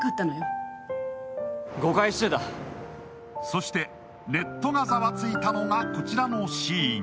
そして、ネットがざわついたのがこちらのシーン。